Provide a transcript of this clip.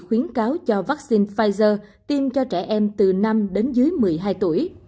khuyến cáo cho vaccine pfizer tiêm cho trẻ em từ năm đến dưới một mươi hai tuổi